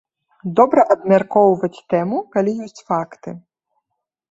Добра абмяркоўваць тэму, калі ёсць факты.